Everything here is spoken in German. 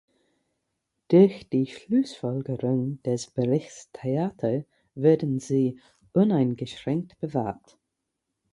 Durch die Schlussfolgerungen des Berichts Theato werden sie uneingeschränkt bewahrt.